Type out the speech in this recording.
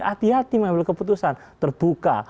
hati hati mengambil keputusan terbuka